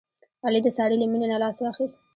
علي د سارې له مینې نه لاس واخیست.